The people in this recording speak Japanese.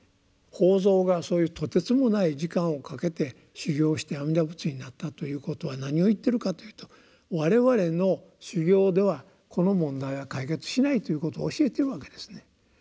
法蔵がそういうとてつもない時間をかけて修行して阿弥陀仏になったということは何を言ってるかというと我々の修行ではこの問題は解決しないということを教えてるわけですね。